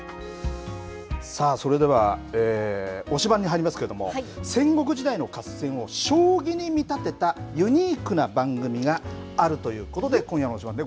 さあ、それでは推しバン！に入りますけれども戦国時代の合戦を将棋に見立てたユニークな番組があるということで今夜の推しバン！